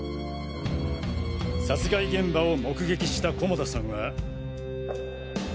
殺害現場を目撃した菰田さんは。